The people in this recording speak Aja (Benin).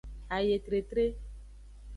Ayetretre.